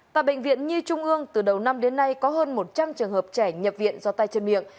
tại bệnh viện nhi trung ương từ đầu năm đến nay có hơn một trăm linh trường hợp trẻ nhập viện do tay chân miệng